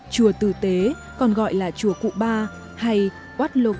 chùa tử tế còn gọi là chùa cụ ba hay wat loka nuko